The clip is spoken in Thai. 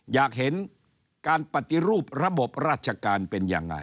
อยากเห็นการปฏิรูประบบราชการเป็นยังไง